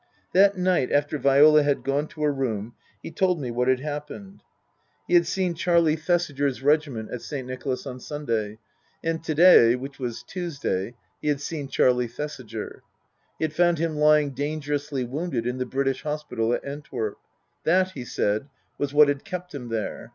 That night after Viola had gone to her room he told me what had happened. He had seen Charlie Thesiger's 20 306 Tasker Jevons regiment at Saint Nicolas on Sunday. And to day which was Tuesday he had seen Charlie Thesiger. He had found him lying dangerously wounded in the British Hospital at Antwerp. That, he said, was what had kept him there.